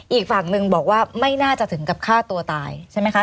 อีกฝั่งหนึ่งบอกว่าไม่น่าจะถึงกับฆ่าตัวตายใช่ไหมคะ